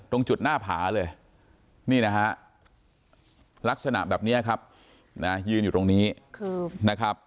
ตรงจุดหน้าผาเลยนี่นะฮะลักษณะแบบนี้ครับนะยืนอยู่ตรงนี้นะครับ